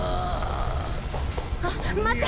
あ待って！